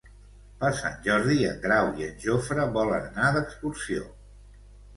Per Sant Jordi en Grau i en Jofre volen anar d'excursió.